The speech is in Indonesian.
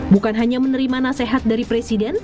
bukan hanya menerima nasihat dari presiden